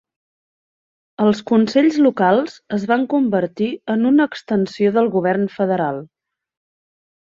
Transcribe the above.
Els Consells Locals es van convertir en una extensió del govern Federal.